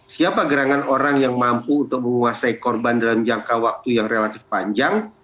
siapa gerangan orang yang mampu untuk menguasai korban dalam jangka waktu yang relatif panjang